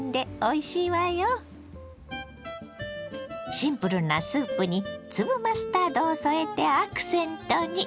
シンプルなスープに粒マスタードを添えてアクセントに。